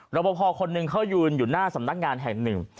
ประพอคนหนึ่งเขายืนอยู่หน้าสำนักงานแห่งหนึ่ง